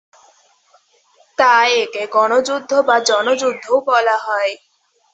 তাই একে 'গনযুদ্ধ' বা জনযুদ্ধও বলা হয়।